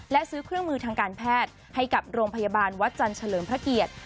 และซื้อเครื่องมือทางการแพทย์ให้กับโรงพยาบาลวัดจันทร์เฉลิมพระเกียรติ